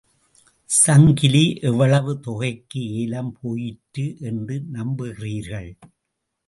சங்கிலி எவ்வளவு தொகைக்கு ஏலம் போயிற்று என்று நம்புகிறீர்கள்?